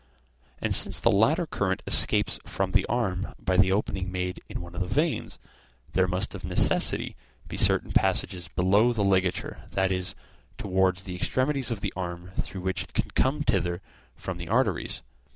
And since the latter current escapes from the arm by the opening made in one of the veins, there must of necessity be certain passages below the ligature, that is, towards the extremities of the arm through which it can come thither from the arteries.